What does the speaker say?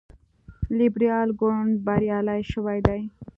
لیبرال ګوند بریالی شوی دی.